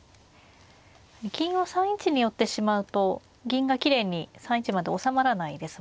金を３一に寄ってしまうと銀がきれいに３一まで収まらないですもんね。